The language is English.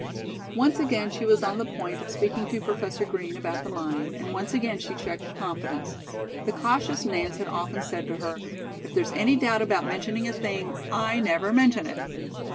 Once again she was on the point of speaking to Professor Green about the mine, and once again she checked her confidence. The cautious Nance had often said to her: "If there's any doubt about mentioning a thing, I never mention it."